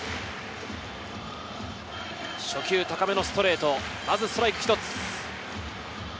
初球高めのストレート、まずストライク１つ。